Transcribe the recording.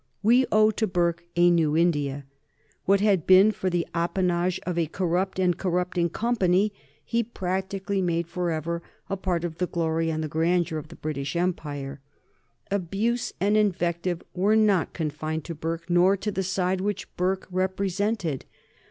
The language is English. We owe to Burke a new India. What had been but the appanage of a corrupt and corrupting Company he practically made forever a part of the glory and the grandeur of the British Empire. Abuse and invective were not confined to Burke nor to the side which Burke represented.